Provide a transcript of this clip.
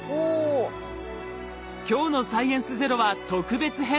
今日の「サイエンスＺＥＲＯ」は特別編。